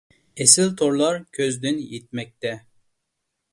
ئېسىل تورلار كۆزدىن يىتمەكتە.